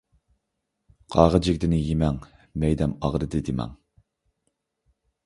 قاغا جىگدىنى يىمەڭ، مەيدەم ئاغرىدى دىمەڭ.